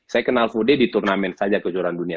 saya kenal vaudet di turnamen saja ke juara dunia